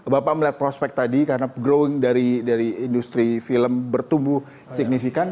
bapak melihat prospek tadi karena grown dari industri film bertumbuh signifikan